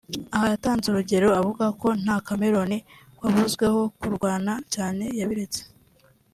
Aha yatanze urugero avuga ko nta Chameleone wavuzweho kurwana cyane yabiretse